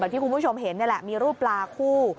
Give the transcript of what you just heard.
ที่คุณผู้ชมเห็นนี่แหละมีรูปปลาคู่